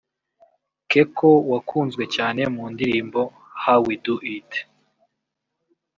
Keko wakunzwe cyane mu ndirimbo How we do it